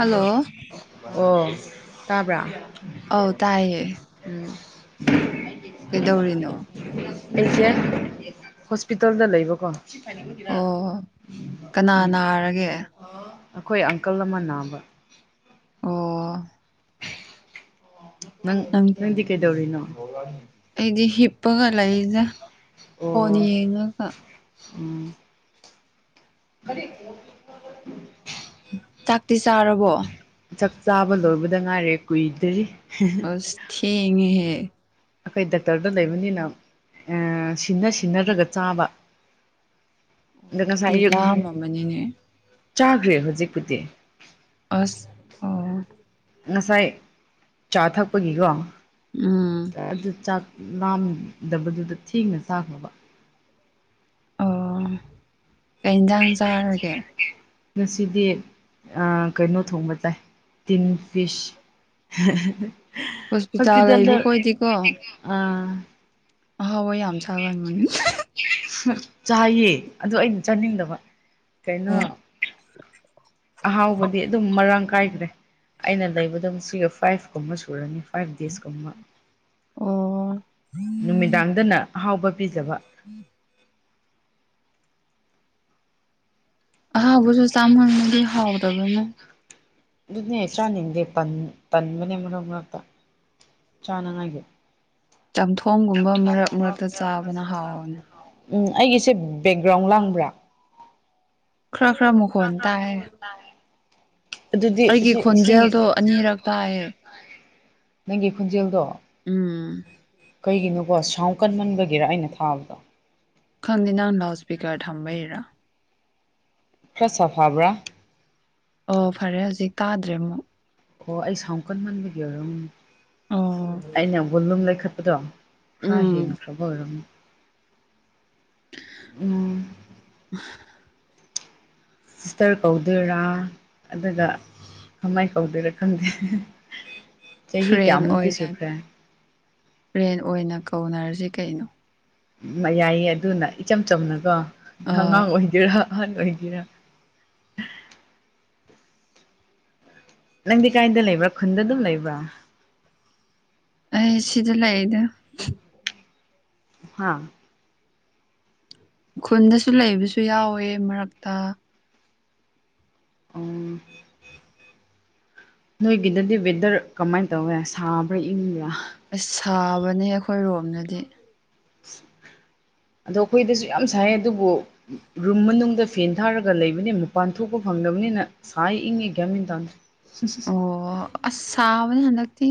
hello ꯑꯣ ꯇꯥꯕ꯭ꯔꯥ ꯑꯧ ꯇꯥꯏꯌꯦ ꯎꯝ ꯀꯩꯗꯧꯔꯤꯅꯣ ꯑꯩꯁꯦ ꯍꯣꯁꯄꯤꯇꯥꯜꯗ ꯂꯩꯕꯀꯣ ꯑꯣ ꯀꯅꯥ ꯅꯥꯔꯒꯦ ꯑꯩꯈꯣꯏ ꯑꯪꯀꯜ ꯑꯃ ꯅꯥꯕ ꯑꯣ ꯅꯪ ꯅꯪꯗꯤ ꯀꯩꯗꯧꯔꯤꯅꯣ ꯑꯩꯗꯤ ꯍꯤꯞꯄꯒ ꯂꯩꯗ ꯑꯣ ꯐꯣꯟ ꯌꯦꯡꯉꯒ ꯎꯝ [inaudible] ꯆꯥꯛꯇꯤ ꯆꯥꯔꯕꯣ ꯆꯥꯛ ꯆꯥꯕ ꯂꯣꯏꯕꯗ ꯉꯥꯏꯔꯦ ꯀꯨꯏꯗ꯭ꯔꯤ ꯑ ꯊꯦꯡꯉꯦ꯫ꯍꯦ ꯑꯩꯈꯣꯏ ꯗꯥꯛꯇꯔꯗ ꯂꯩꯕꯅꯤꯅ ꯁꯤꯟꯅ ꯁꯤꯟꯅꯔꯒ ꯆꯥꯕ ꯑꯣ ꯑꯗ ꯉꯁꯥꯏ ꯑꯗꯨꯗꯤ ꯑꯌꯨꯛ ꯂꯥꯝ ꯃꯝꯅꯤꯅꯦ ꯆꯥꯈ꯭ꯔꯦ ꯍꯧꯖꯤꯛꯄꯨꯗꯤ ꯑꯁ ꯑꯣ ꯉꯁꯥꯏ ꯆꯥ ꯊꯛꯄꯒꯤꯀꯣ ꯎꯝ ꯑꯗꯨ ꯆꯥꯛ ꯂꯥꯝꯗꯕꯗꯨꯗ ꯊꯦꯡꯅ ꯆꯥꯛꯅꯕ ꯑꯣ ꯀꯩ ꯏꯟꯖꯥꯡ ꯆꯥꯔꯒꯦ ꯉꯁꯤꯗꯤ ꯀꯩꯅꯣ ꯊꯣꯡꯕ ꯆꯥꯏ ꯇꯤꯟ ꯐꯤꯁ ꯍꯣꯁꯄꯤꯇꯥꯜ ꯍꯣꯁꯄꯤꯇꯥꯜꯗ ꯂꯩꯕ ꯈꯣꯏꯗꯤꯀꯣ ꯍꯋꯥꯏ ꯌꯥꯝ ꯁꯥꯒꯟ ꯃꯅꯨꯡꯅꯤ ꯆꯥꯏꯌꯦ ꯑꯗꯨ ꯑꯩꯅ ꯆꯥꯅꯤꯡꯗꯕ ꯀꯩꯅꯣ ꯑꯍꯥꯎꯕꯗꯤ ꯑꯗꯨꯝ ꯃꯔꯥꯡ ꯀꯥꯏꯈ꯭ꯔꯦ ꯑꯩꯅ ꯂꯩꯕꯗꯨꯛ ꯁꯤꯒ ꯐꯥꯏꯚ ꯀꯨꯝꯕ ꯁꯨꯔꯅꯤ ꯐꯥꯏꯚ ꯗꯦꯖꯀꯨꯝꯕ ꯑꯣ ꯅꯨꯃꯤꯗꯥꯡꯗꯅ ꯑꯍꯥꯎꯕ ꯄꯤꯖꯕ ꯑꯍꯥꯎꯕꯨꯁꯨ ꯆꯃꯟꯂꯗꯤ ꯍꯥꯥꯎ ꯇꯕꯅꯦ ꯑꯗꯨꯅꯦ ꯆꯥꯅꯤꯡꯗꯦ ꯇꯟꯕꯅꯦ ꯃꯔꯛ ꯃꯔꯛꯇ ꯆꯥꯅꯉꯥꯏꯒꯦ ꯆꯝꯊꯣꯡꯒꯨꯝꯕ ꯃꯔꯛ ꯃꯔꯛꯇ ꯆꯥꯕꯅ ꯍꯥꯎꯕꯅꯤ ꯎꯝ ꯑꯩꯒꯤꯁꯦ ꯕꯦꯛꯒ꯭ꯔꯥꯎꯟ ꯂꯥꯡꯕ꯭ꯔꯥ ꯈꯔꯥ ꯈꯔꯥ ꯃꯈꯣꯜ ꯇꯥꯏ ꯑꯗꯨꯗꯤ ꯑꯩꯒꯤ ꯁꯤ ꯏꯁꯤꯡ ꯈꯣꯟꯖꯦꯜꯗꯣ ꯑꯅꯤꯔꯛ ꯇꯥꯏꯌꯦ ꯅꯪꯒꯤ ꯈꯣꯟꯖꯦꯜꯗꯣ ꯎꯝ ꯀꯣ ꯁꯥꯎ ꯀꯟꯃꯟꯕꯒꯤꯔ ꯑꯩꯅ ꯊꯥꯕꯗꯣ ꯈꯟꯗꯅ ꯂꯥꯎꯁꯄꯤꯀꯔ ꯊꯝꯕꯥꯩꯔ [inaudible] ꯑꯣ ꯐꯔꯦ ꯍꯧꯖꯤꯛ ꯇꯥꯗ꯭ꯔꯦ ꯑꯃꯨꯛ ꯑꯣ ꯑꯩ ꯁꯥꯎ ꯀꯟꯃꯟꯕꯒꯤ ꯑꯣꯏꯔꯝ ꯑꯣ ꯑꯩꯅ ꯕꯣꯂꯨꯝ ꯂꯩꯈꯠꯄꯗꯣ ꯐ꯭ꯔꯥꯍꯤ ꯎꯝ ꯈ꯭ꯔꯕ ꯑꯣꯏꯔꯝ ꯎꯝ [inaudible] ꯁꯤꯁꯇꯔ ꯀꯧꯗꯣꯏꯔꯥ ꯑꯗꯨꯒ ꯀꯃꯥꯏ ꯇꯧꯗꯣꯏꯔꯥ ꯈꯡꯗꯦ ꯆꯍꯤ ꯀꯌꯥꯃꯨꯛꯛꯇꯤ ꯁꯈ꯭ꯔꯦ ꯔꯦꯟ ꯑꯣꯏꯅ ꯀꯧꯅꯔꯁꯤ ꯀꯩꯅꯣ ꯃ ꯌꯥꯏꯌꯦ ꯑꯗꯨꯅ ꯏꯆꯝ ꯆꯝꯅꯀꯦ ꯑꯉꯥꯡ ꯑ ꯊꯣꯅꯥꯑꯣ ꯑꯣꯏꯍꯟꯒꯦꯔꯥ ꯑꯍꯟ ꯑꯣꯏꯒꯔꯥ ꯅꯡꯗꯤ ꯀꯥꯏꯗ ꯂꯩꯕ꯭ꯔꯥ ꯈꯨꯟꯗ ꯑꯗꯨꯝ ꯂꯩꯕ꯭ꯔꯥ ꯑꯩ ꯁꯤꯗꯂꯑꯩꯗ ꯍꯥ ꯈꯨꯟꯗꯁꯨ ꯂꯩꯕꯁꯨ ꯌꯥꯎꯋꯦ ꯃꯔꯛꯇ ꯑꯣ ꯅꯣꯏꯒꯤꯗꯗꯤ ꯋꯦꯗꯔ ꯀꯃꯥꯏꯅ ꯇꯧꯋꯦ ꯁꯥꯕ꯭ꯔꯥ ꯏꯡꯕ꯭ꯔꯥ ꯑꯁ ꯁꯥꯕꯅꯦ ꯑꯩꯈꯣꯏ ꯔꯣꯝꯗꯗꯤ [inaudible] ꯑꯗꯣ ꯑꯩꯈꯣꯏꯗꯁꯨ ꯌꯥꯝ ꯁꯥꯏ ꯑꯗꯨꯕꯨ ꯔꯨꯝ ꯃꯅꯨꯡꯗ ꯐꯦꯟ ꯊꯥꯔꯒ ꯂꯩꯕꯅꯦ ꯃꯄꯥꯟ ꯊꯣꯛꯄ ꯐꯡꯗꯕꯅꯤꯅ ꯁꯥꯏ ꯏꯉꯦ ꯒꯌꯥꯃꯤꯟ ꯇꯥꯟꯁꯦ ꯑꯣ ꯑꯁ ꯁꯥꯕꯅꯤ ꯍꯟꯗꯛ ꯁꯤ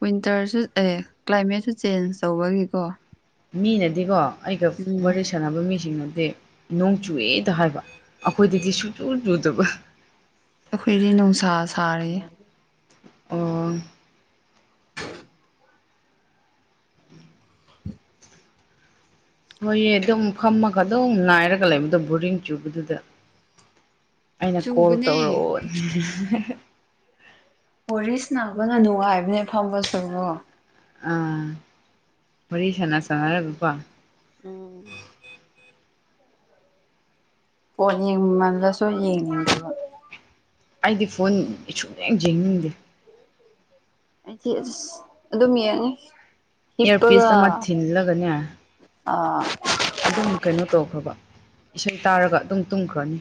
ꯋꯤꯟꯇꯔꯁꯨ ꯑꯦ ꯀ꯭ꯂꯥꯏꯃꯦꯠꯁꯨ ꯆꯦꯟꯖ ꯇꯧꯕꯒꯤꯀꯣ ꯃꯤꯅꯗꯤꯀꯣ ꯑꯩꯒ ꯎꯝ ꯋꯥꯔꯤ ꯁꯥꯟꯅꯕ ꯃꯤꯁꯤꯡꯅꯗꯤ ꯅꯣꯡ ꯆꯨꯑꯦꯗ ꯍꯥꯏꯕ ꯑꯩꯈꯣꯏꯗꯗꯤ ꯁꯨꯡꯆꯨ ꯆꯨꯗꯕ ꯑꯩꯈꯣꯏꯗꯤ ꯅꯨꯡꯁꯥ ꯁꯥꯔꯤ ꯑꯣ ꯍꯣꯏꯌꯦ ꯑꯗꯨꯝ ꯈꯝꯃꯒ ꯑꯗꯨꯝ ꯉꯅꯥꯏꯔꯒ ꯂꯩꯕꯗꯣ ꯕꯣꯔꯤꯡ ꯆꯨꯕꯗꯨꯗ ꯑꯩꯅ ꯀꯣꯜ ꯆꯨꯕꯅꯦ ꯇꯧꯔꯛꯑꯣ ꯋꯥꯔꯤꯔꯤꯁ ꯅꯥꯕꯅ ꯅꯨꯡꯉꯥꯏꯕꯅꯦ ꯐꯝꯕ ꯁꯉꯣ ꯑꯥ ꯋꯥꯔꯤ ꯁꯅꯥꯁꯅꯥꯔꯒꯥꯀꯣ ꯎꯝ ꯐꯣꯜ ꯌꯦꯡꯃꯂꯥꯁꯨ ꯌꯦꯡꯅꯤꯡ ꯗꯦꯕꯥ ꯑꯩꯗꯤ ꯐꯣꯟ ꯁꯨꯡ ꯌꯦꯡ ꯌꯦꯡꯅꯤꯡꯗꯦ ꯍꯥꯏꯗꯤ ꯑꯁ ꯑꯗꯨꯝ ꯌꯦꯡꯉꯨ ꯑꯦꯔ ꯄꯁ ꯑꯃ ꯊꯅꯂꯒꯅꯦ ꯑꯥ ꯑꯗꯨꯝ ꯀꯩꯅꯣ ꯇꯧꯈ꯭ꯔꯕ ꯏꯁꯩ ꯇꯥꯔꯒ ꯑꯗꯨꯝ ꯇꯨꯝꯈ꯭ꯔꯅꯤ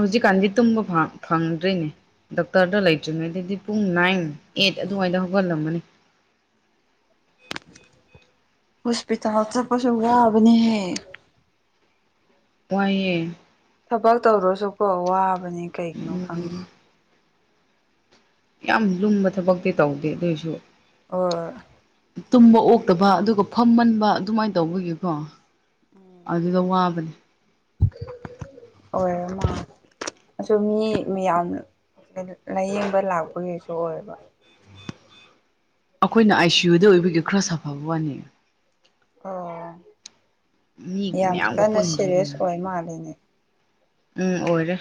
ꯍꯧꯖꯤꯛꯀꯥꯟꯗꯤ ꯇꯨꯝꯕ ꯐꯡꯗ꯭ꯔꯤꯅꯦ ꯗꯣꯛꯇꯔꯗ ꯂꯩꯇ꯭ꯔꯤꯉꯩ ꯑꯗꯨꯗꯤ ꯄꯨꯡ ꯅꯥꯏꯟ ꯑꯩꯠ ꯑꯗꯨꯋꯥꯏꯗ ꯍꯧꯒꯠꯂꯝꯃꯅꯤ [inaudible] ꯍꯣꯁꯄꯤꯇꯥꯜ ꯆꯄꯁꯦ ꯋꯥꯕꯅꯤꯍ ꯋꯥꯏꯌꯦ ꯊꯕꯛ ꯇꯧꯔꯁꯨꯀꯣ ꯋꯥꯕꯅꯦ ꯀꯩꯒꯤꯅꯣ ꯈꯡꯗꯦ ꯎꯝ ꯌꯥꯝ ꯂꯨꯝꯕ ꯊꯕꯛꯇꯤ ꯇꯧꯗꯦ ꯑꯗꯨꯑꯣꯏꯁꯨ ꯑꯣ ꯇꯨꯝꯕ ꯑꯣꯛꯇꯕ ꯑꯗꯨꯒ ꯐꯝꯃꯟꯕ ꯑꯗꯨꯃꯥꯏꯅ ꯇꯧꯕꯒꯤꯀꯣ ꯑꯗꯨꯗ ꯋꯥꯕꯅꯦ ꯑꯣꯏ ꯃꯥꯇ ꯑꯗꯨꯝ ꯃꯤ ꯌꯥꯝ ꯂꯥꯏꯌꯦꯡꯕ ꯂꯥꯛꯄꯒꯤꯁꯨ ꯑꯣꯏꯕ ꯑꯩꯈꯣꯏꯅ ꯑꯥꯏ ꯁꯤ ꯌꯨꯗ ꯑꯣꯏꯕꯒꯤ ꯈꯔ ꯁꯥꯐꯕ ꯋꯥꯅꯤ ꯑꯣ ꯃꯤ ꯌꯥꯝ ꯃꯌꯥꯝꯒ ꯀꯟꯅ ꯁꯦꯔꯤꯌꯁ ꯄꯨꯟꯗ꯭ꯔꯤꯗꯨꯅ ꯑꯣꯏ ꯃꯥꯜꯂꯤꯅꯦ ꯎꯝ ꯑꯣꯏꯔ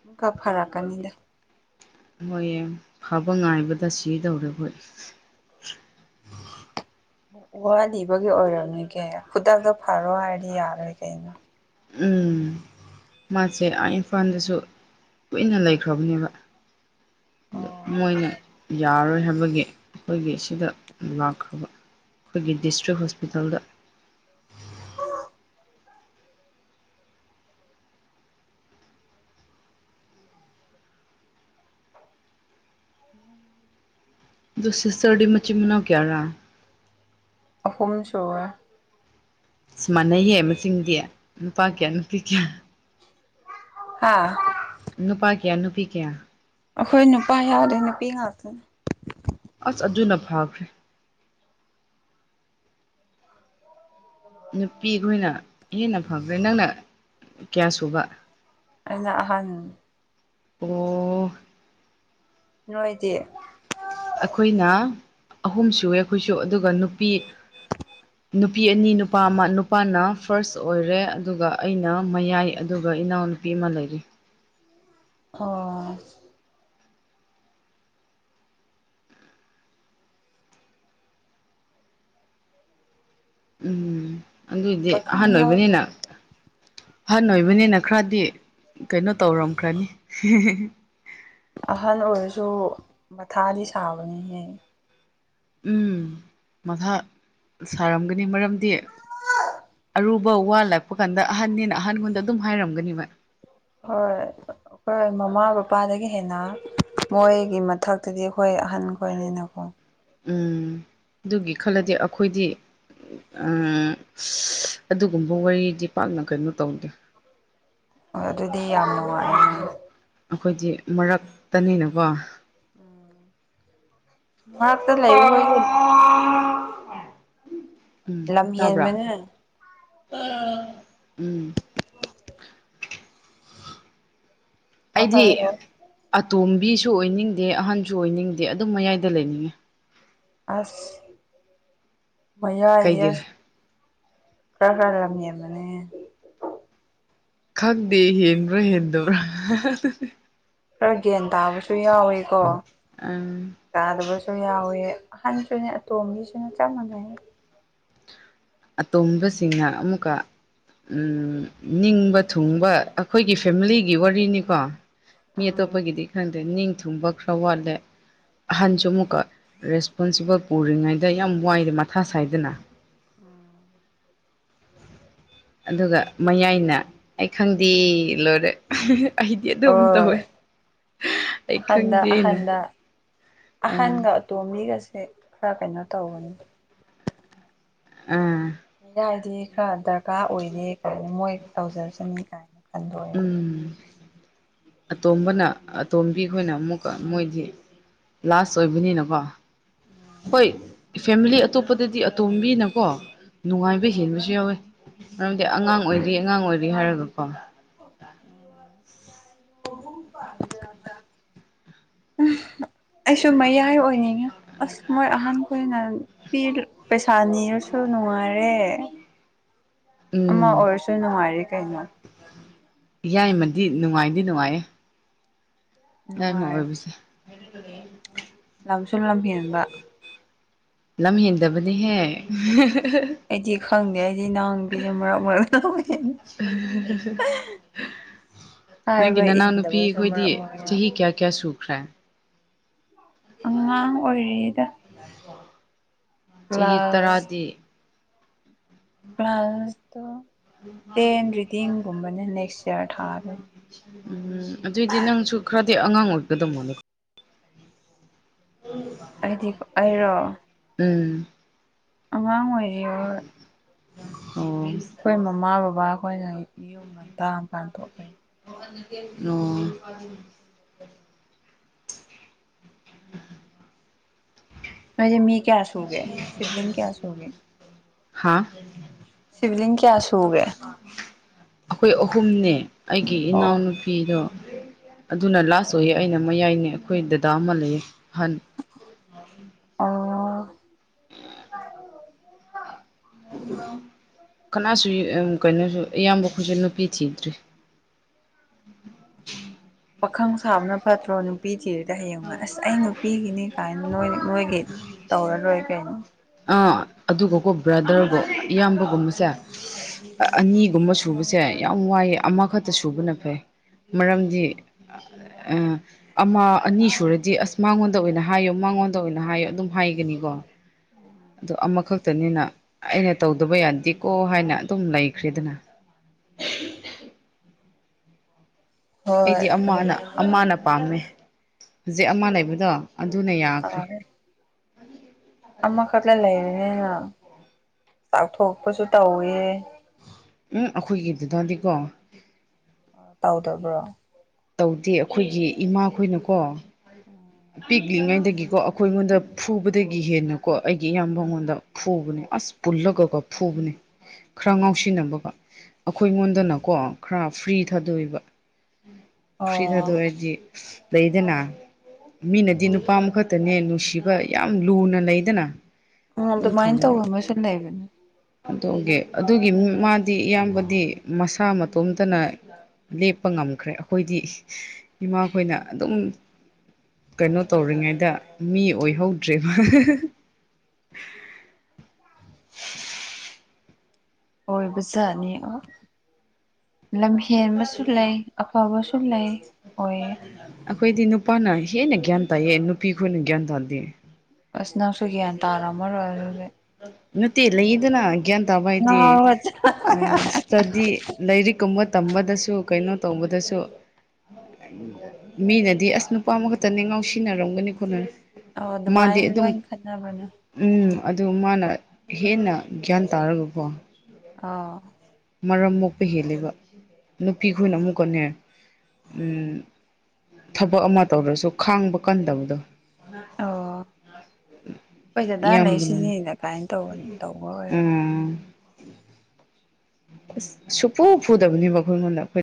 ꯏꯃꯨꯀꯥ ꯐꯔꯛꯀꯅꯤꯗ ꯍꯣꯏꯌꯦ ꯐꯕ ꯉꯥꯏꯕꯗ ꯁꯤꯗꯧꯔꯦ ꯑꯩꯈꯣꯏ [inaudible] ꯋꯥꯂꯤꯕꯒꯤ ꯑꯣꯏꯔꯝꯅꯤ ꯀꯦ ꯈꯨꯇꯥꯛꯇ ꯐꯔꯣ ꯍꯥꯏꯔꯗꯤ ꯌꯥꯔꯣꯏ ꯀꯩꯅꯣ ꯎꯝ ꯃꯥꯁꯦ ꯏꯝꯐꯥꯜꯗꯁꯨ ꯀꯨꯏꯅ ꯂꯩꯈ꯭ꯔꯕꯅꯦꯕ ꯃꯣꯏꯅ ꯌꯥꯔꯣꯏ ꯍꯥꯏꯕꯒꯤ ꯑꯩꯈꯣꯏꯒꯤ ꯁꯤꯗ ꯂꯥꯛꯈ꯭ꯔꯕ ꯑꯩꯈꯣꯏꯒꯤ ꯗꯤꯁꯇ꯭ꯔꯤꯛ ꯍꯣꯁꯄꯤꯇꯥꯜꯗ ꯑ [inaudible] ꯎꯝ [inaudible] ꯁꯤꯁꯔꯗꯤ ꯃꯆꯤ ꯃꯅꯥ ꯀꯌꯥ ꯔꯥ ꯑꯍꯨꯝꯁꯨ ꯁꯃꯥꯟꯅꯩꯍꯦ ꯃꯆꯤꯡꯗꯤ ꯅꯨꯄꯥ ꯀꯌꯥ ꯅꯨꯄꯤ ꯀꯌꯥ ꯑꯥ ꯅꯨꯄꯥ ꯀꯌꯥ ꯅꯨꯄꯤ ꯀꯌꯥ ꯑꯩꯈꯣꯏ ꯅꯨꯄꯥ ꯌꯥꯎꯗꯦ ꯅꯨꯄꯤ ꯉꯥꯛꯇꯅꯤ ꯑꯁ ꯑꯗꯨꯅ ꯐꯈ꯭ꯔꯦ ꯅꯨꯄꯤꯈꯣꯏꯅ ꯍꯦꯟꯅ ꯐꯕ꯭ꯔꯦ ꯅꯪꯅ ꯀꯌꯥ ꯁꯨꯕ ꯑꯩꯅ ꯑꯍꯟ ꯑꯣ ꯅꯣꯏꯗꯤ ꯑꯩꯈꯣꯏꯅ ꯑꯍꯨꯝ ꯁꯏ ꯑꯩꯈꯣꯏꯁꯨ ꯑꯗꯨꯒ ꯅꯨꯄꯤ ꯅꯨꯄꯤ ꯑꯅꯤ ꯅꯨꯄꯥ ꯑꯃ ꯅꯨꯄꯥꯅ ꯐꯥꯔꯁ ꯑꯣꯏꯔꯦ ꯑꯗꯨꯒ ꯑꯩꯅ ꯃꯌꯥꯏ ꯑꯗꯨꯒ ꯏꯅꯥꯎ ꯅꯨꯄꯤ ꯑꯃ ꯂꯩꯔꯤ ꯑꯣ ꯎꯝ ꯑꯗꯨꯏꯗꯤ ꯑꯍꯟ ꯄꯥꯈꯪ ꯑꯣꯏꯕꯅꯤꯅ ꯌꯥꯎꯗꯕ ꯐꯟ ꯑꯣꯏꯕꯅꯤꯅ ꯈꯔꯗꯤ ꯀꯩꯅꯣ ꯇꯧꯔꯝꯈ꯭ꯔꯅꯤ ꯑꯍꯜ ꯑꯣꯏꯔꯁꯨ ꯃꯊꯥꯗꯤ ꯁꯥꯕꯅꯤꯍꯦ ꯎꯝ ꯃꯊꯥ ꯁꯥꯔꯝꯒꯅꯤ ꯃꯔꯝꯗꯤ ꯑꯔꯨꯕ ꯋꯥ ꯂꯥꯛꯄ ꯀꯥꯟꯗ ꯑꯍꯟꯅꯦꯅ ꯑꯍꯟꯈꯣꯟꯗ ꯑꯗꯨꯝ ꯍꯥꯏꯔꯝꯒꯅꯦꯕ ꯍꯣꯏ ꯑꯩꯈꯣꯏ ꯃꯃꯥ ꯕꯄꯥꯗꯒꯤ ꯍꯦꯟꯅ ꯃꯣꯏꯒꯤ ꯃꯊꯛꯇꯗꯤ ꯑꯩꯈꯣꯏ ꯑꯍꯟ ꯈꯣꯏꯅꯤꯅꯀꯣ ꯎꯝ ꯑꯗꯨꯒꯤ ꯈꯜꯂꯗꯤ ꯑꯩꯈꯣꯏꯗꯤ ꯎꯝ ꯑꯗꯨꯒꯨꯝꯕ ꯋꯥꯔꯤꯗꯤ ꯄꯥꯛꯅ ꯀꯩꯅꯣ ꯇꯧꯗꯦ ꯍ ꯑꯗꯨꯗꯤ ꯌꯥꯝ ꯅꯨꯡꯉꯥꯏ ꯑꯩꯈꯣꯏꯗꯤ ꯃꯔꯛꯇꯅꯤꯅꯀꯣ ꯃꯔꯛꯇ ꯂꯩꯕ ꯍꯣꯏ ꯎꯝ ꯂꯝꯍꯦꯟ ꯇꯥꯕ꯭ꯔꯥ ꯃꯅꯦ [inaudible] ꯎꯝ ꯑꯩꯗꯤ ꯑꯍꯜ ꯑꯇꯣꯝ ꯃꯤꯕꯤꯁꯨ ꯑꯣꯏꯅꯤꯡꯗꯦ ꯑꯍꯟꯁꯨ ꯑꯣꯏꯅꯤꯡꯗꯦ ꯑꯗꯨꯝ ꯃꯌꯥꯏꯗ ꯂꯩꯅꯤꯡꯉꯤ ꯑꯁ ꯃꯥ ꯑꯗ ꯀꯩꯒꯤꯔ ꯑꯁ ꯀ ꯂꯝ ꯌꯥ ꯑꯃꯅꯤꯅꯦ ꯈꯪꯗꯦ ꯍꯦꯟꯕ꯭ꯔ ꯍꯦꯟꯗꯕ꯭ꯔꯥ ꯈꯔ ꯒ꯭ꯟ ꯇꯥꯕꯁꯨ ꯌꯥꯎꯋꯀꯣ ꯇꯥꯗꯕꯁꯨ ꯌꯥꯎꯋꯤ ꯑꯍꯟꯁꯨꯅꯦ ꯑꯇꯣꯝꯕꯤꯁꯨꯅ ꯆꯞ ꯃꯥꯟꯅꯩ ꯑꯇꯣꯝꯕꯁꯤꯡꯅ ꯑꯃꯨꯛꯀ ꯎꯝ ꯅꯤꯡꯕ ꯊꯨꯡꯕ ꯑꯩꯈꯣꯏꯒꯤ ꯐꯦꯃꯤꯂꯤꯒꯤ ꯋꯥꯔꯤꯅꯤꯀꯣ ꯃꯤ ꯎꯝ ꯑꯇꯣꯞꯄꯒꯤꯗꯤ ꯈꯪꯗ꯭ꯔꯦ ꯅꯤꯡ ꯊꯨꯝꯕ ꯈꯔ ꯋꯥꯠꯂꯦ ꯑꯍꯟꯁꯨ ꯑꯃꯨꯛꯀ ꯔꯦꯁꯄꯣꯟꯁꯤꯕꯜ ꯄꯨꯔꯤꯉꯩꯗ ꯌꯥꯝ ꯋꯥꯏꯗꯦ ꯃꯊꯥ ꯁꯥꯏꯗꯅ ꯎꯝ ꯑꯗꯨꯒ ꯃꯌꯥꯏꯅ ꯑꯩ ꯈꯪꯗꯦ ꯂꯣꯏꯔꯦ ꯑꯩꯗꯤ ꯑꯗꯨꯝ ꯇꯧꯋꯦ ꯑꯣꯏ ꯑꯩ ꯑꯍꯟꯗ ꯈꯪꯗꯦꯅ ꯑꯍꯟꯗ ꯑꯥ ꯑꯍꯟꯒ ꯑꯇꯣꯝꯕꯤꯒꯁꯦ ꯈꯔ ꯀꯩꯅꯣ ꯇꯧꯒꯅꯤ ꯑꯥ ꯃ ꯌꯥ ꯍꯥꯏꯗꯤ ꯈꯔ ꯗꯔꯀꯥꯔ ꯑꯣꯏꯔꯦ ꯀꯥꯏꯅ ꯃꯣꯏ ꯇꯧꯖꯔꯁꯅꯤ ꯀꯥꯏꯅ ꯈꯟꯗꯣꯛꯑꯦꯕ ꯎꯝ ꯑꯇꯣꯝꯕꯅ ꯑꯇꯣꯝꯕꯤ ꯈꯈꯣꯏꯅ ꯑꯃꯨꯛꯀ ꯃꯣꯏꯗꯤ ꯂꯥꯁ ꯑꯣꯏꯕꯅꯤꯅꯀꯣ ꯍꯣꯏ ꯐꯦꯃꯤꯂꯤ ꯑꯇꯣꯞꯄꯗꯗꯤ ꯑꯇꯣꯝꯕꯤꯅꯀꯣ ꯅꯨꯡꯉꯥꯏꯕ ꯍꯦꯟꯕꯁꯨ ꯌꯥꯎꯋꯤ ꯃꯔꯝꯗꯤ ꯑꯉꯥꯡ ꯑꯣꯏꯔꯤ ꯑꯉꯥꯡ ꯑꯣꯏꯔꯤ ꯍꯥꯏꯔꯒ ꯀ [unintelligible] ꯑꯩꯁꯨ ꯃꯌꯥꯏ ꯑꯣꯏꯅꯤꯡꯉꯦ ꯑꯁ ꯃꯣꯏ ꯑꯍꯥꯟꯕ ꯀ ꯑꯣꯏꯅ ꯄ ꯄꯩꯁꯥ ꯅꯤꯔꯁꯨ ꯅꯨꯡꯉꯥꯏꯔꯦ ꯑꯃ ꯎꯝ ꯑꯣꯏꯔꯁꯨ ꯅꯨꯡꯉꯥꯏꯔꯤ ꯀꯩꯅꯣ ꯌꯥꯏꯃꯗꯤ ꯅꯨꯡꯉꯥꯏꯗꯤ ꯅꯨꯡꯉꯥꯏꯌꯦ ꯅꯨꯡꯉꯥꯏ ꯑꯗꯨꯗ ꯁꯨꯜꯂꯝ ꯐꯝꯕ ꯅꯝ ꯍꯤꯟꯗꯕꯅꯤ ꯍꯦ ꯑꯩꯗꯤ ꯈꯪꯗꯦ ꯑꯩꯗꯤ ꯅꯅꯥꯎꯕꯤꯁꯦ ꯃꯔꯛ ꯃꯔꯛꯇ ꯇ ꯅꯪꯒꯤ ꯍꯕ ꯅꯅꯥꯎ ꯅꯨꯄꯤ ꯏꯟꯗꯕꯁꯨ ꯃ ꯑꯩꯈꯣꯏꯗꯤ ꯆꯍꯤ ꯀꯌꯥ ꯀꯌꯥ ꯁꯨꯈ꯭ꯔꯦ ꯑꯉꯥꯡ ꯑꯣꯏꯔꯤꯦꯗ ꯆꯍꯤ ꯇꯔꯥꯗꯤ ꯀ꯭ꯂꯥꯁꯇꯣ ꯇꯦꯟ ꯔꯤꯗꯤꯡꯒꯨꯝꯕꯅ ꯅꯦꯛꯁ ꯏꯌꯥꯔ ꯊꯥꯔꯣꯏ ꯎꯝ ꯑꯗꯨꯑꯣꯏꯗꯤ ꯅꯪꯁꯨ ꯈꯔꯗꯤ ꯑꯉꯥꯡ ꯑꯣꯏꯀꯗꯧꯃꯣꯅꯦ ꯑꯩꯗꯤꯣ ꯑꯩꯔꯣ ꯎꯝ ꯑꯉꯥꯡ ꯑꯣꯏꯔꯤꯣ ꯑꯣ ꯑꯩꯈꯣꯏ ꯃꯃꯥ ꯕꯕꯥ ꯑꯩꯈꯣꯏꯅ ꯌꯨꯝ ꯉꯟꯇꯥꯀꯥꯟ ꯊꯣꯛꯄꯩ ꯑꯣ [unintelligible] ꯃꯣꯏꯗꯤꯦ ꯃꯤ ꯀꯌꯥ ꯁꯨꯒꯦ ꯁꯤꯕꯂꯤꯡ ꯀꯌꯥ ꯁꯨꯒꯦ ꯍꯥꯥ ꯁꯤꯤꯕꯂꯤ ꯑꯩꯈꯣꯏ ꯑꯍꯨꯝꯅꯦ ꯑꯩꯒꯤ ꯑꯣ ꯏꯅꯥꯎꯅꯨꯄꯤꯗꯣ ꯑꯗꯨꯅ ꯂꯥꯁ ꯑꯣꯏꯌꯦ ꯑꯩꯅ ꯃꯌꯥꯏꯅꯦ ꯑꯩꯈꯣꯏ ꯗꯗꯥ ꯑꯃ ꯂꯩꯌꯦ ꯑꯍꯟ ꯑꯣ ꯑꯣ ꯀꯅꯥꯁꯨ ꯀꯩꯅꯣꯁꯨ ꯏꯌꯥꯝꯕ ꯑꯩꯁꯨ ꯅꯨꯄꯤ ꯊꯤꯗ꯭꯭ꯔꯔꯤ ꯎꯝ ꯄꯥꯈꯪ ꯁꯥꯕꯅ ꯐꯠꯇ꯭ꯔꯣ ꯅꯨꯄꯤ ꯊꯔꯗ ꯍꯌꯦꯡꯉ ꯑꯁ ꯑꯩ ꯅꯨꯄꯤꯒꯤꯅꯤ ꯀꯥꯏꯅ ꯅꯣꯏ ꯑꯩꯒꯤ ꯇꯧꯔꯔꯣꯏ ꯀꯩꯅꯣ ꯑꯥ ꯑꯗꯨꯒꯀꯣ ꯕ꯭ꯔꯥꯗꯔꯕꯨꯣ ꯏꯌꯥꯝꯕꯒꯨꯝꯕꯁꯦ ꯑꯅꯤꯒꯨꯝꯕ ꯁꯨꯕꯁꯦ ꯌꯥꯝ ꯋꯥꯏꯑꯦ ꯑꯃꯈꯛꯇ ꯁꯨꯕꯅ ꯐꯩ ꯃꯔꯝꯗꯤ ꯑ ꯑꯃ ꯑꯅꯤ ꯁꯨꯔꯗꯤ ꯑꯁ ꯃꯉꯣꯟꯗ ꯑꯣꯏꯅ ꯍꯥꯏꯌꯣ ꯃꯉꯣꯟꯗ ꯑꯣꯏꯅ ꯍꯥꯏꯌꯣ ꯑꯗꯨꯝ ꯍꯥꯏꯒꯅꯤꯀꯣ ꯑ ꯑꯃꯈꯛꯇꯅꯤꯅ ꯑꯩꯅ ꯇꯧꯗꯕ ꯌꯥꯗꯦꯀꯣ ꯍꯥꯏꯅ ꯑꯗꯨꯝ ꯂꯩꯈ꯭ꯔꯦꯗꯅ ꯎꯝ ꯑꯩꯗꯤ ꯑꯃꯅ ꯑꯗꯨꯃꯥꯏꯅꯗꯤ ꯑꯣꯏ ꯑꯃꯅ ꯄꯥꯝꯃꯦ ꯍꯧꯖꯤꯛ ꯑꯃ ꯂꯩꯕꯗꯣ ꯑꯗꯨꯅ ꯌꯥꯈ꯭ꯔꯦ ꯑꯥ ꯑꯃꯈꯛꯇ ꯂꯩꯔꯤꯅꯤꯅ ꯆꯥꯛꯊꯣꯛꯄꯁꯨ ꯇꯧꯋ ꯎꯝ ꯑꯩꯈꯣꯏꯒꯤꯗꯨꯗꯗꯤꯀꯣ ꯇꯥꯎꯗꯔꯔꯕ꯭ꯔꯣ ꯇꯧꯗꯦ ꯑꯩꯈꯣꯏꯒꯤ ꯏꯃꯥꯈꯣꯏꯅꯀꯣ ꯄꯤꯛꯂꯤꯉꯩꯗꯒꯤꯀꯣ ꯑꯩꯈꯣꯏ ꯑꯩꯉꯣꯟꯗ ꯐꯨꯕꯗꯒꯤ ꯍꯦꯟꯅꯀꯣ ꯑꯩꯒꯤ ꯏꯌꯥꯝꯕꯉꯣꯟꯗ ꯐꯨꯕꯅꯦ ꯑꯁ ꯄꯨꯜꯂꯒꯒ ꯐꯨꯕꯅꯦ ꯈꯔ ꯉꯥꯎꯁꯤꯟꯅꯕꯒ ꯑꯩꯈꯣꯏ ꯑꯩꯉꯣꯟꯗꯅꯀꯣ ꯈꯔ ꯐ꯭ꯔꯤ ꯊꯥꯗꯣꯛꯏꯕ ꯐ꯭ꯔꯤ ꯑꯣ ꯊꯥꯗꯣꯛꯦꯗꯤ ꯂꯩꯗꯅ ꯃꯤꯅꯗꯤ ꯅꯨꯄꯥꯃꯈꯛꯇꯅꯦ ꯅꯨꯡꯁꯤꯕ ꯌꯥꯝ ꯂꯨꯅ ꯂꯩꯗꯅ ꯎ ꯑꯗꯨꯝ ꯑꯗꯨꯃꯥꯏꯅ ꯇꯧꯕ ꯃ ꯁꯨꯝ ꯂꯩꯕꯅꯦ ꯇꯦ ꯑꯗꯨꯒꯤ ꯃꯥꯗꯤ ꯏꯌꯥꯝꯕꯗꯤ ꯃꯁꯥ ꯃꯇꯣꯝꯇꯅ ꯂꯦꯞꯄ ꯉꯝꯈ꯭ꯔꯦ ꯑꯩꯈꯣꯏꯗꯤ ꯏꯃꯥꯈꯣꯏꯅ ꯑꯗꯨꯝ ꯀꯩꯅꯣ ꯇꯧꯔꯤꯉꯩꯗ ꯃꯤ ꯑꯣꯏꯍꯧꯗ꯭ꯔꯦꯕ [inaudible] ꯑꯣꯏꯕꯖꯥꯠꯅꯤ ꯂꯝ ꯍꯦꯟꯕꯁꯨ ꯂꯩ ꯑꯐꯕꯁꯨ ꯂꯩ ꯑꯣꯏꯌꯦ ꯑꯩꯈꯣꯏꯗꯤ ꯅꯨꯄꯥꯅ ꯍꯦꯟꯅ ꯒ꯭ꯌꯥꯟ ꯇꯥꯏꯌꯦ ꯅꯨꯄꯤ ꯈꯣꯏꯅ ꯒ꯭ꯌꯥꯟ ꯇꯥꯗꯦ ꯑꯁ ꯅꯪꯁꯨ ꯒ꯭ꯌꯥꯟ ꯇꯥꯔꯝꯃꯔꯣꯏ ꯑꯗꯨꯗꯤ ꯃꯠꯇꯦ ꯏꯂ ꯏꯅꯦ ꯒ꯭ꯌꯥꯟ ꯇꯥꯕ ꯍꯥꯏꯗꯤ ꯉꯥꯎꯔꯒ ꯁ꯭ꯇꯗꯤ ꯂꯥꯏꯔꯤꯛꯀꯨꯝꯕ ꯇꯝꯕꯗꯁꯨ ꯀꯩꯅꯣ ꯇꯧꯕꯗꯁꯨ ꯃꯤꯅꯗꯤ ꯑꯁ ꯅꯨꯄꯥ ꯑꯃꯈꯛꯇꯅꯤ ꯉꯥꯎ ꯁꯤꯟꯅꯔꯝꯒꯅꯤ ꯈꯣꯠꯅ ꯑꯧ ꯃꯥꯗꯤ ꯑꯗꯨꯃꯥꯏꯅ ꯑꯗꯨꯝ ꯂꯣꯏ ꯈꯠꯅꯕꯅꯦ ꯎꯝ ꯑꯗꯨ ꯃꯥꯅ ꯍꯦꯟꯅ ꯒ꯭ꯌꯥꯟ ꯇꯥꯔꯒꯀꯣ ꯑꯥ ꯃꯔꯝ ꯃꯣꯛꯄ ꯍꯦꯜꯂꯦꯕ ꯅꯨꯄꯤ ꯈꯣꯏꯅ ꯑꯃꯨꯛ ꯀꯅꯔ ꯊꯕꯛ ꯑꯃ ꯇꯧꯔꯁꯨ ꯈꯥꯡꯕ ꯀꯟꯗꯕꯗꯣ ꯑꯣ ꯍꯣꯏꯖꯗꯥ ꯂꯩ ꯏꯌꯥꯝꯕꯅ ꯁꯤꯅꯤꯅ ꯀꯥꯏꯅ ꯇꯧꯕ ꯇꯧꯕ ꯑꯣꯏꯔꯝ ꯎꯝ ꯑꯁ ꯁꯨꯐꯨ ꯐꯨꯗꯕꯅꯦꯕ ꯑꯩꯈꯣꯏ ꯑꯩꯉꯣꯟꯗ ꯑꯩꯈꯣꯏ